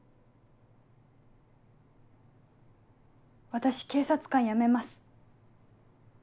私警察官辞めます。